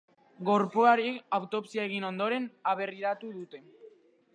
Gorpuari autopsia egin ondoren aberriratu dute.